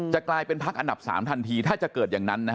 กลายเป็นพักอันดับ๓ทันทีถ้าจะเกิดอย่างนั้นนะ